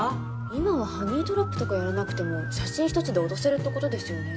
今はハニートラップとかやらなくても写真一つで脅せるって事ですよね。